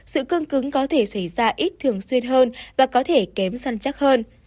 sự cương cứng có thể xảy ra ít thường xuyên hơn và có thể kém săn chắc hơn